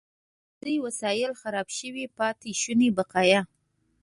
د پوځي وسایلو خراب شوي پاتې شوني بقایا.